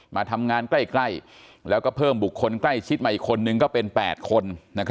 มาทำงานใกล้แล้วก็เพิ่มบุคคลใกล้ชิดมาอีกคนนึงก็เป็น๘คน